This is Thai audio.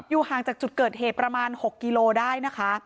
ห่างจากจุดเกิดเหตุประมาณ๖กิโลได้นะคะ